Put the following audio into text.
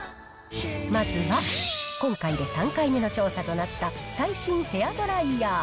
まずは今回で３回目の調査となった最新ヘアドライヤー。